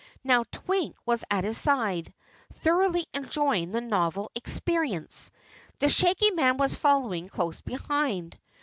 Now Twink was at his side, thoroughly enjoying the novel experience. The Shaggy Man was following close behind.